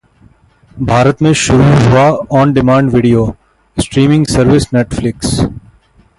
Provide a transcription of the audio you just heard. भारत में शुरू हुआ on demand video streaming service Netflix